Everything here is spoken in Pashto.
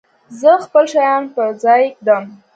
زه خپل شیان په ځای ږدم.